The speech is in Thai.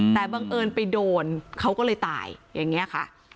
แต่บังเอิญไปโดนเขาก็เลยตายอย่างนี้ค่ะ